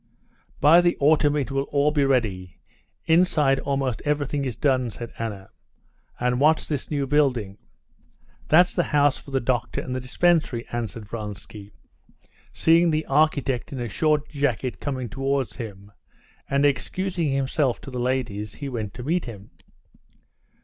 "By the autumn it will all be ready. Inside almost everything is done," said Anna. "And what's this new building?" "That's the house for the doctor and the dispensary," answered Vronsky, seeing the architect in a short jacket coming towards him; and excusing himself to the ladies, he went to meet him.